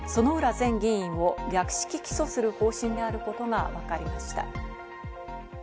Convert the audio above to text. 前議員を略式起訴する方針であることがわかりました。